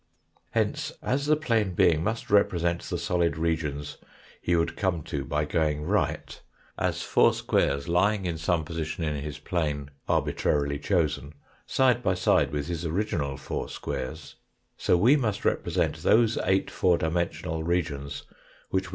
Hence, as the plane being must represent the solid re gions, he would come to by going right, as four squares lying in some position in his plane, arbitrarily chosen, side by side with his original four squares, so we must represent those eight four dimensional re gions, which we Fig.